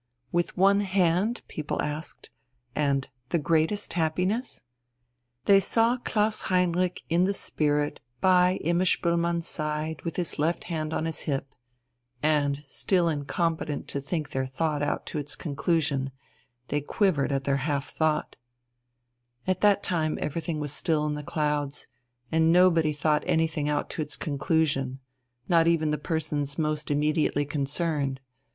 "With one hand?" people asked, and "the greatest happiness?" They saw Klaus Heinrich in the spirit by Imma Spoelmann's side with his left hand on his hip, and, still incompetent to think their thought out to its conclusion, they quivered at their half thought. At that time everything was still in the clouds, and nobody thought anything out to its conclusion not even the persons most immediately concerned.